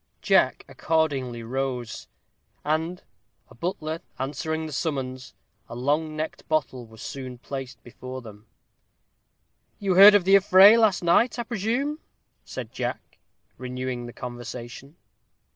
Jack accordingly arose; and a butler answering the summons, a long necked bottle was soon placed before them. "You heard of the affray last night, I presume?" said Jack, renewing the conversation.